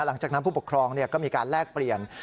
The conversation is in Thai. หลังจากนั้นผู้ปกครองก็มีการแลกเปลี่ยน